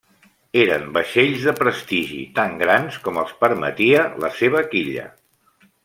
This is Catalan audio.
Eren vaixells de prestigi, tan grans com els permetia la seva quilla.